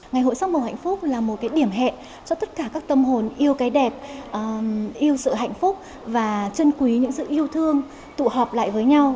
ngày hội sắc màu hạnh phúc là một cái điểm hẹn cho tất cả các tâm hồn yêu cái đẹp yêu sự hạnh phúc và chân quý những sự yêu thương tụ họp lại với nhau